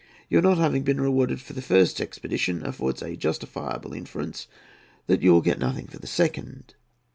Your not having been rewarded for the first expedition affords a justifiable inference that you will get nothing for the second."